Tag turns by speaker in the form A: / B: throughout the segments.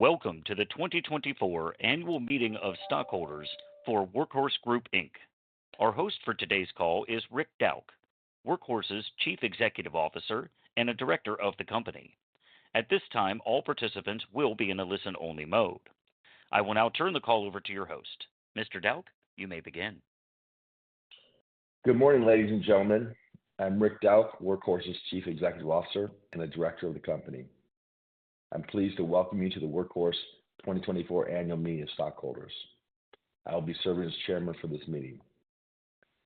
A: Welcome to the 2024 Annual Meeting of Stockholders for Workhorse Group Inc. Our host for today's call is Rick Dauch, Workhorse's Chief Executive Officer and a Director of the company. At this time, all participants will be in a listen-only mode. I will now turn the call over to your host. Mr. Dauch, you may begin.
B: Good morning, ladies and gentlemen. I'm Rick Dauch, Workhorse's Chief Executive Officer and a Director of the company. I'm pleased to welcome you to the Workhorse 2024 Annual Meeting of Stockholders. I will be serving as chairman for this meeting.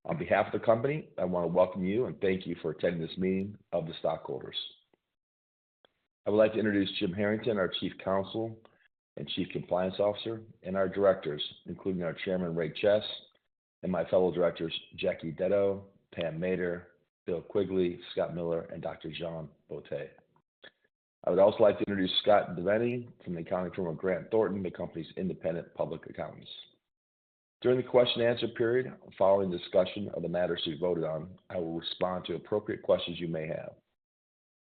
B: On behalf of the company, I want to welcome you and thank you for attending this meeting of the stockholders. I would like to introduce Jim Harrington, our Chief Counsel and Chief Compliance Officer, and our directors, including our Chairman Ray Chess and my fellow directors Jacqueline Dedo, Pamela Mader, Bill Quigley, Scott Miller, and Dr. Jean Botti. I would also like to introduce Scott Devenny from the accounting firm of Grant Thornton, the company's independent public accountants. During the question-and-answer period following the discussion of the matters we voted on, I will respond to appropriate questions you may have.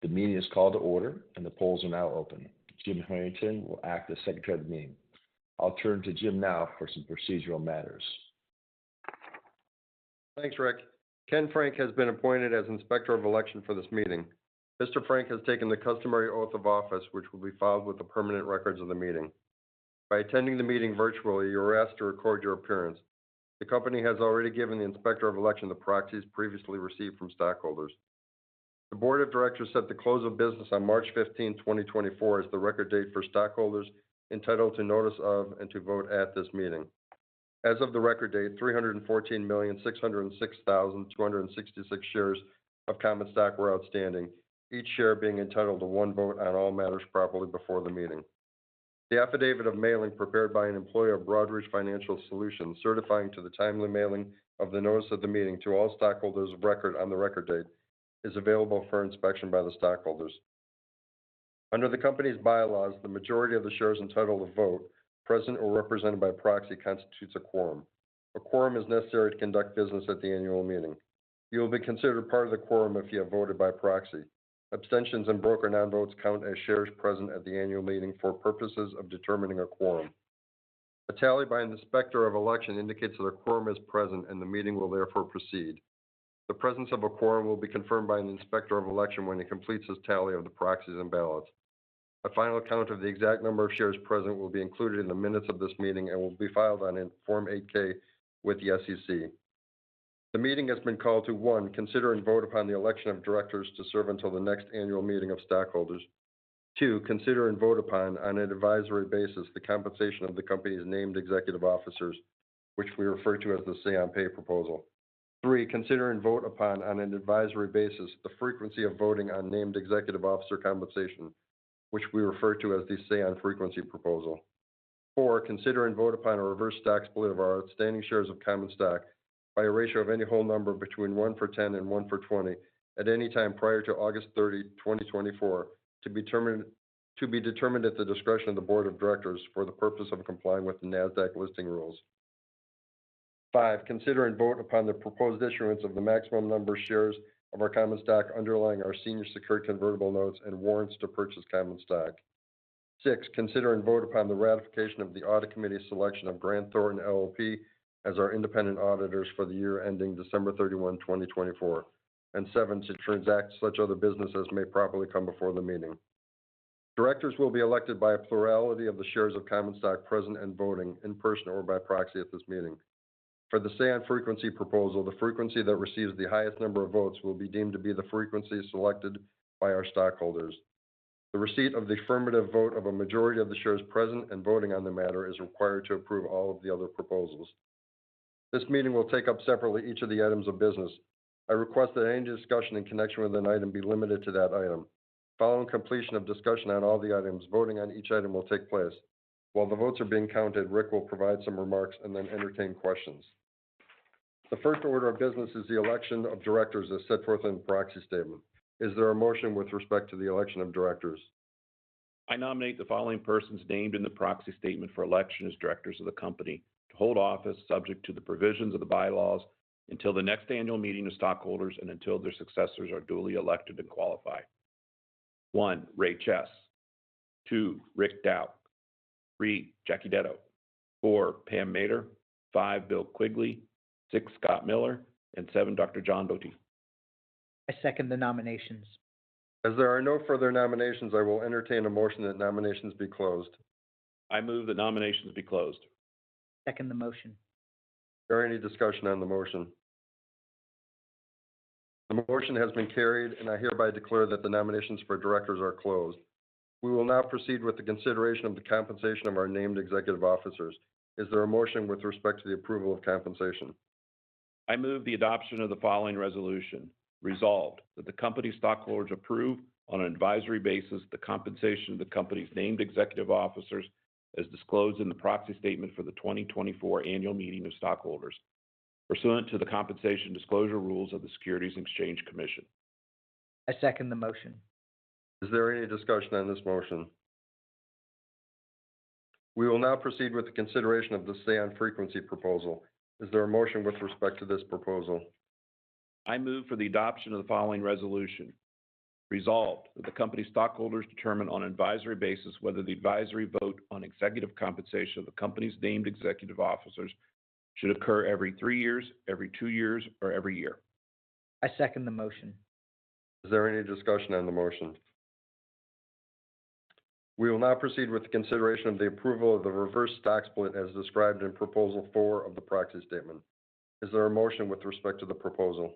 B: The meeting is called to order, and the polls are now open. Jim Harrington will act as secretary of the meeting. I'll turn to Jim now for some procedural matters.
C: Thanks, Rick. Ken Frank has been appointed as Inspector of Election for this meeting. Mr. Frank has taken the customary oath of office, which will be filed with the permanent records of the meeting. By attending the meeting virtually, you are asked to record your appearance. The company has already given the Inspector of Election the proxies previously received from stockholders. The Board of Directors set the close of business on March 15, 2024, as the Record Date for stockholders entitled to notice of and to vote at this meeting. As of the Record Date, 314,606,266 shares of common stock were outstanding, each share being entitled to one vote on all matters properly before the meeting. The affidavit of mailing prepared by an employee of Broadridge Financial Solutions certifying to the timely mailing of the notice of the meeting to all stockholders of record on the Record Date is available for inspection by the stockholders. Under the company's bylaws, the majority of the shares entitled to vote, present or represented by proxy, constitutes a quorum. A quorum is necessary to conduct business at the annual meeting. You will be considered part of the quorum if you have voted by proxy. Abstentions and Broker Non-Votes count as shares present at the annual meeting for purposes of determining a quorum. A tally by an Inspector of Election indicates that a quorum is present, and the meeting will therefore proceed. The presence of a quorum will be confirmed by an Inspector of Election when he completes his tally of the proxies and ballots. A final count of the exact number of shares present will be included in the minutes of this meeting and will be filed on Form 8-K with the SEC. The meeting has been called to: 1) Consider and vote upon the election of directors to serve until the next annual meeting of stockholders, 2) Consider and vote upon, on an advisory basis, the compensation of the company's named executive officers, which we refer to as the Say-on-Pay proposal, 3) Consider and vote upon, on an advisory basis, the frequency of voting on named executive officer compensation, which we refer to as the Say-on-Frequency proposal, 4) Consider and vote upon a Reverse Stock Split of our outstanding shares of common stock by a ratio of any whole number between 1-for-10 and 1-for-20 at any time prior to August 30, 2024, to be determined at the discretion of the Board of Directors for the purpose of complying with the Nasdaq Listing Rules, 5) Consider and vote upon the proposed issuance of the maximum number of shares of our common stock underlying our Senior Secured Convertible Notes and Warrants to purchase common stock, 6) Consider and vote upon the ratification of the Audit Committee selection of Grant Thornton LLP as our independent auditors for the year ending December 31, 2024, and 7) To transact such other business as may properly come before the meeting. Directors will be elected by a plurality of the shares of common stock present and voting, in person or by proxy, at this meeting. For the Say-on-Frequency proposal, the frequency that receives the highest number of votes will be deemed to be the frequency selected by our stockholders. The receipt of the affirmative vote of a majority of the shares present and voting on the matter is required to approve all of the other proposals. This meeting will take up separately each of the items of business. I request that any discussion in connection with an item be limited to that item. Following completion of discussion on all the items, voting on each item will take place. While the votes are being counted, Rick will provide some remarks and then entertain questions. The first order of business is the election of directors, as set forth in the proxy statement. Is there a motion with respect to the election of directors?
D: I nominate the following persons named in the proxy statement for election as directors of the company to hold office, subject to the provisions of the bylaws, until the next annual meeting of stockholders and until their successors are duly elected and qualified: 1) Ray Chess; 2) Rick Dauch; 3) Jacqueline Dedo; 4) Pamela Mader; 5) Bill Quigley; 6) Scott Miller; and 7) Jean Botti.
E: I second the nominations.
C: As there are no further nominations, I will entertain a motion that nominations be closed.
D: I move that nominations be closed.
E: Second the motion.
C: Is there any discussion on the motion? The motion has been carried, and I hereby declare that the nominations for directors are closed. We will now proceed with the consideration of the compensation of our named executive officers. Is there a motion with respect to the approval of compensation?
D: I move the adoption of the following resolution, Resolved, that the company's stockholders approve on an advisory basis the compensation of the company's named executive officers as disclosed in the proxy statement for the 2024 annual meeting of stockholders, pursuant to the compensation disclosure rules of the Securities and Exchange Commission.
E: I second the motion.
C: Is there any discussion on this motion? We will now proceed with the consideration of the Say-on-Frequency proposal. Is there a motion with respect to this proposal?
D: I move for the adoption of the following resolution, resolved, that the company's stockholders determine on an advisory basis whether the advisory vote on executive compensation of the company's named executive officers should occur every 3 years, every 2 years, or every year.
E: I second the motion.
C: Is there any discussion on the motion? We will now proceed with the consideration of the approval of the Reverse Stock Split as described in Proposal 4 of the Proxy Statement. Is there a motion with respect to the proposal?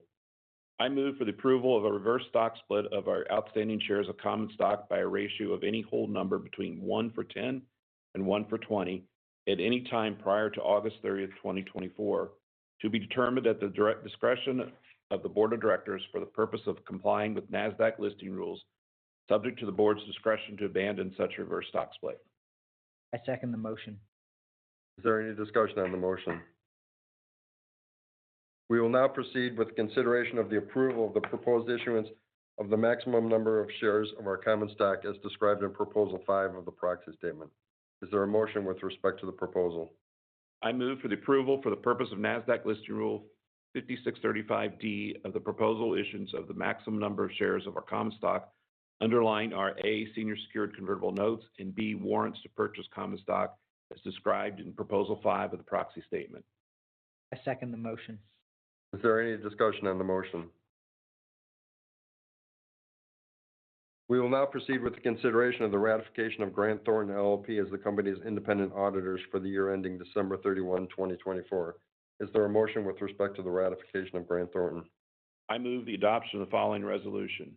D: I move for the approval of a reverse stock split of our outstanding shares of common stock by a ratio of any whole number between 1-for-10 and 1-for-20 at any time prior to August 30, 2024, to be determined at the discretion of the Board of Directors for the purpose of complying with Nasdaq listing rules, subject to the board's discretion to abandon such reverse stock split.
E: I second the motion.
C: Is there any discussion on the motion? We will now proceed with the consideration of the approval of the proposed issuance of the maximum number of shares of our common stock as described in Proposal 5 of the proxy statement. Is there a motion with respect to the proposal?
D: I move for the approval, for the purpose of Nasdaq listing rule 5635(d), of the proposal issuance of the maximum number of shares of our common stock underlying our A senior secured convertible notes and B warrants to purchase common stock as described in Proposal 5 of the proxy statement.
E: I second the motion.
C: Is there any discussion on the motion? We will now proceed with the consideration of the ratification of Grant Thornton LLP as the company's independent auditors for the year ending December 31, 2024. Is there a motion with respect to the ratification of Grant Thornton?
D: I move the adoption of the following resolution,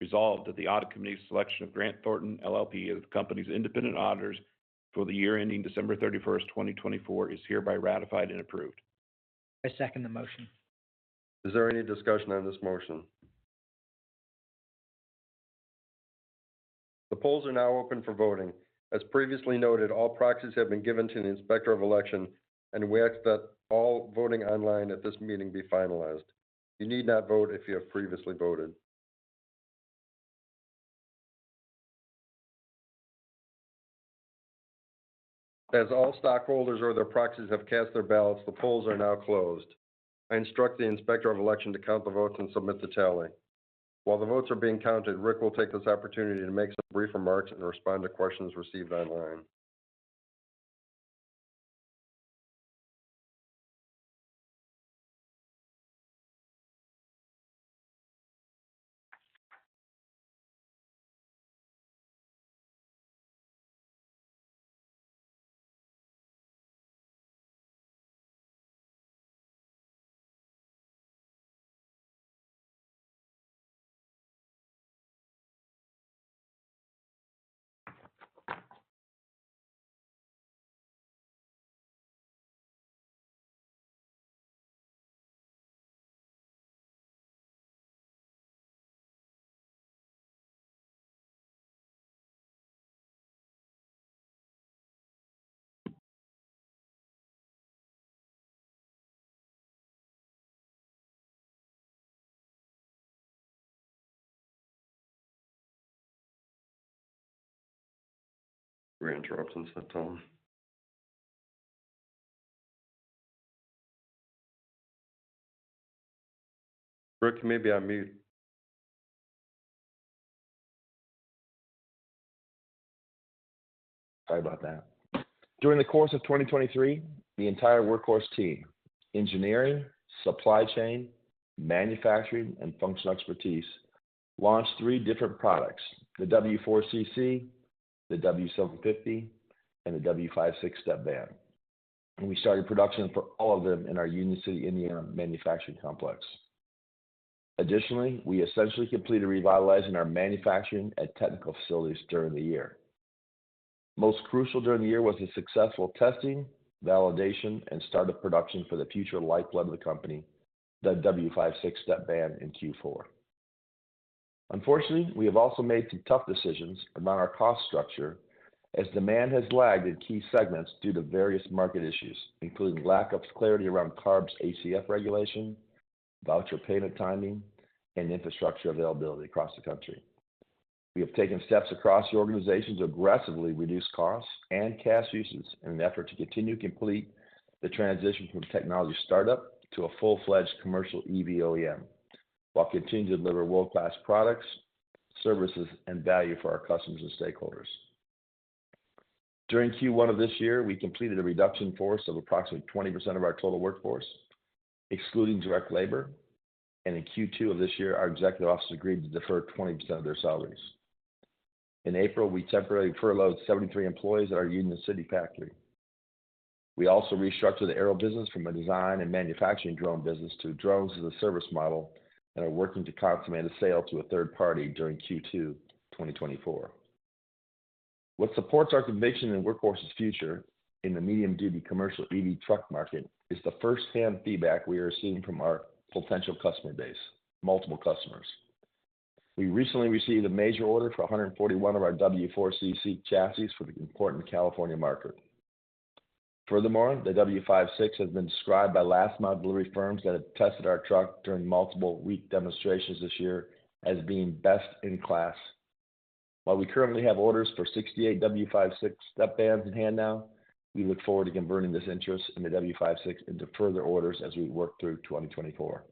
D: Resolved, that the Audit Committee selection of Grant Thornton LLP as the company's independent auditors for the year ending December 31, 2024, is hereby ratified and approved.
E: I second the motion.
C: Is there any discussion on this motion? The polls are now open for voting. As previously noted, all proxies have been given to the inspector of election, and we ask that all voting online at this meeting be finalized. You need not vote if you have previously voted. As all stockholders or their proxies have cast their ballots, the polls are now closed. I instruct the inspector of election to count the votes and submit the tally. While the votes are being counted, Rick will take this opportunity to make some brief remarks and respond to questions received online.
B: You're interrupting sometime.
C: Rick, maybe your mute.
B: Sorry about that. During the course of 2023, the entire Workhorse team, engineering, supply chain, manufacturing, and functional expertise, launched three different products: the W4 CC, the W750, and the W56 step van. We started production for all of them in our Union City, Indiana, manufacturing complex. Additionally, we essentially completed revitalizing our manufacturing at technical facilities during the year. Most crucial during the year was the successful testing, validation, and start of production for the future lifeblood of the company, the W56 step van in Q4. Unfortunately, we have also made some tough decisions about our cost structure as demand has lagged in key segments due to various market issues, including lack of clarity around CARB ACF regulation, voucher payment timing, and infrastructure availability across the country. We have taken steps across the organization to aggressively reduce costs and cash uses in an effort to continue to complete the transition from technology startup to a full-fledged commercial EV OEM while continuing to deliver world-class products, services, and value for our customers and stakeholders. During Q1 of this year, we completed a reduction in force of approximately 20% of our total workforce, excluding direct labor. In Q2 of this year, our executive officers agreed to defer 20% of their salaries. In April, we temporarily furloughed 73 employees at our Union City factory. We also restructured the Aero business from a design and manufacturing drone business to drones as a service model and are working to consummate a sale to a third party during Q2, 2024. What supports our conviction in Workhorse's future in the medium-duty commercial EV truck market is the firsthand feedback we are receiving from our potential customer base, multiple customers. We recently received a major order for 141 of our W4 CC chassis for the important California market. Furthermore, the W56 has been described by last-mile delivery firms that have tested our truck during multiple week demonstrations this year as being best in class. While we currently have orders for 68 W56 step vans in hand now, we look forward to converting this interest in the W56 into further orders as we work through 2024.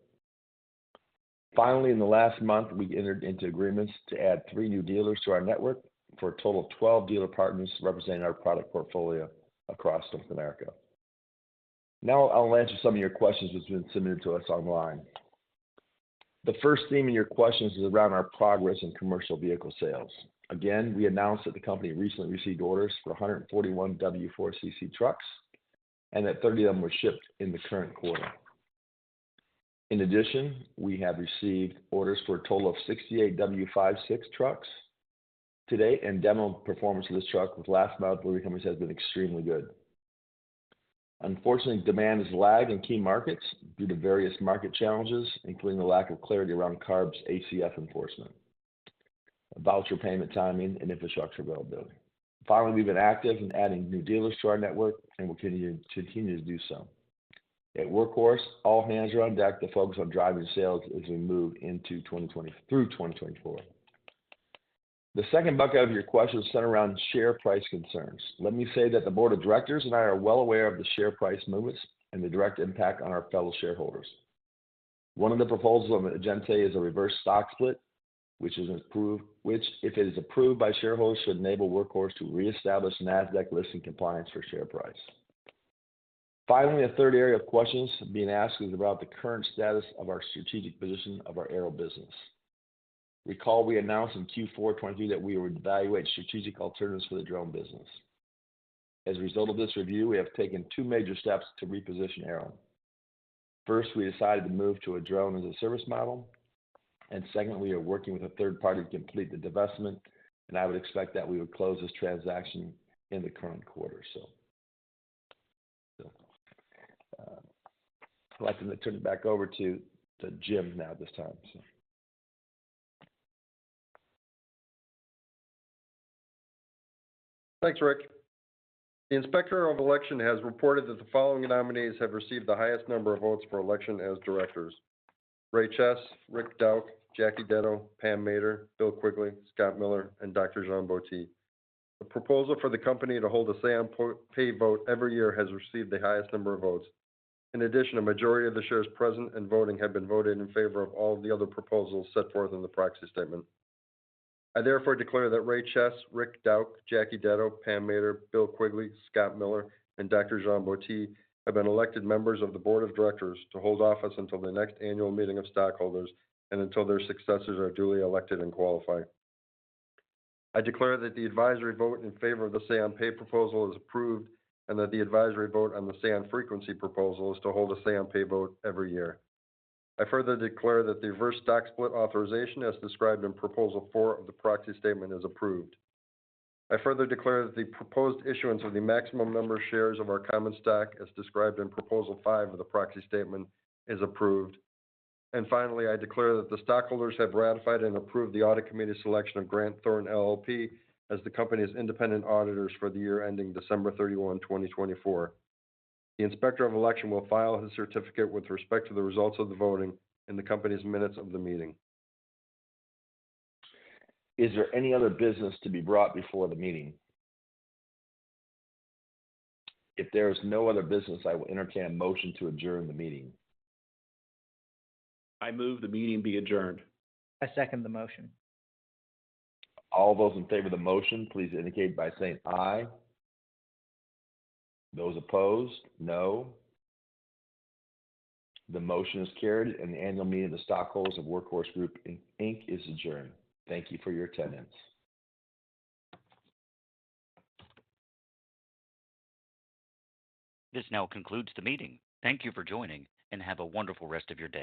B: Finally, in the last month, we entered into agreements to add three new dealers to our network for a total of 12 dealer partners representing our product portfolio across North America. Now I'll answer some of your questions that have been submitted to us online. The first theme in your questions is around our progress in commercial vehicle sales. Again, we announced that the company recently received orders for 141 W4 CC trucks and that 30 of them were shipped in the current quarter. In addition, we have received orders for a total of 68 W56 trucks today, and demo performance of this truck with last-mile delivery companies has been extremely good. Unfortunately, demand has lagged in key markets due to various market challenges, including the lack of clarity around CARB ACF enforcement, voucher payment timing, and infrastructure availability. Finally, we've been active in adding new dealers to our network, and we'll continue to do so. At Workhorse, all hands are on deck to focus on driving sales as we move into through 2024. The second bucket of your questions is centered around share price concerns. Let me say that the board of directors and I are well aware of the share price movements and the direct impact on our fellow shareholders. One of the proposals on the agenda is a reverse stock split, which, if it is approved by shareholders, should enable Workhorse to reestablish Nasdaq listing compliance for share price. Finally, a third area of questions being asked is about the current status of our strategic position of our Aero business. Recall, we announced in Q4 2023, that we would evaluate strategic alternatives for the drone business. As a result of this review, we have taken two major steps to reposition Aero. First, we decided to move to a drone as a service model. And second, we are working with a third party to complete the divestment, and I would expect that we would close this transaction in the current quarter, so. I'd like to turn it back over to Jim now this time, so.
C: Thanks, Rick. The inspector of election has reported that the following nominees have received the highest number of votes for election as directors: Ray Chess, Rick Dauch, Jacqueline Dedo, Pamela Mader, Bill Quigley, Scott Miller, and Dr. Jean Botti. The proposal for the company to hold a say-on-pay vote every year has received the highest number of votes. In addition, a majority of the shares present and voting have been voted in favor of all of the other proposals set forth in the proxy statement. I therefore declare that Ray Chess, Rick Dauch, Jacqueline Dedo, Pamela Mader, Bill Quigley, Scott Miller, and Dr. Jean Botti have been elected members of the board of directors to hold office until the next annual meeting of stockholders and until their successors are duly elected and qualified. I declare that the advisory vote in favor of the say-on-pay proposal is approved and that the advisory vote on the say-on-frequency proposal is to hold a say-on-pay vote every year. I further declare that the reverse stock split authorization, as described in Proposal 4 of the proxy statement, is approved. I further declare that the proposed issuance of the maximum number of shares of our common stock, as described in Proposal 5 of the proxy statement, is approved. And finally, I declare that the stockholders have ratified and approved the audit committee selection of Grant Thornton LLP as the company's independent auditors for the year ending December 31, 2024. The inspector of election will file his certificate with respect to the results of the voting in the company's minutes of the meeting. Is there any other business to be brought before the meeting? If there is no other business, I will entertain a motion to adjourn the meeting.
D: I move the meeting be adjourned.
E: I second the motion.
C: All those in favor of the motion, please indicate by saying aye. Those opposed, no. The motion is carried, and the annual meeting of the stockholders of Workhorse Group, Inc., is adjourned. Thank you for your attendance.
A: This now concludes the meeting. Thank you for joining, and have a wonderful rest of your day.